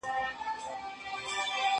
زه اوس سیر کوم!.